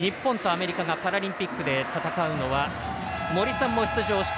日本とアメリカがパラリンピックで戦うのは森さんも出場した